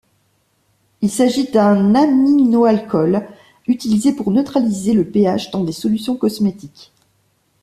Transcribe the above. Il s'agit d'un aminoalcool, utilisé pour neutraliser le pH dans des solutions cosmétiques.